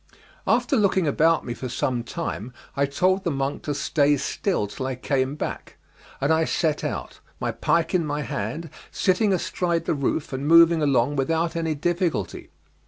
After looking about me for some time I told the monk to stay still till I came back, and I set out, my pike in my hand, sitting astride the roof and moving along without any difficulty.